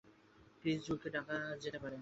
Chris জুলকেও ডাকা যেতে পারে।